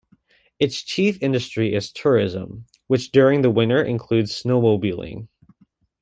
Its chief industry is tourism, which during the winter includes snowmobiling.